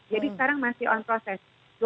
jadi sekarang masih on proses